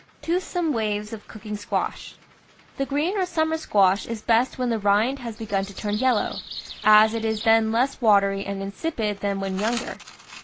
TOOTHSOME WAYS OF COOKING SQUASH The green or summer squash is best when the rind has begun to turn yellow, as it is then less watery and insipid than when younger.